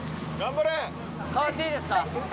代わっていいですか？